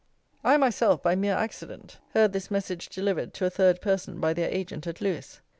I myself, by mere accident, heard this message delivered to a third person by their agent at Lewes.